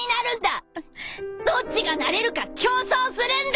どっちがなれるか競争するんだ！